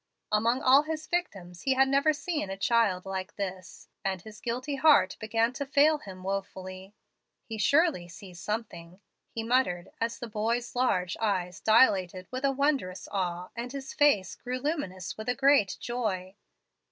Among all his victims he had never seen a child like this, and his guilty heart began to fail him wofully. "'He surely sees something,' he muttered, as the boy's large eyes dilated with a wondrous awe, and his face grew luminous with a great joy.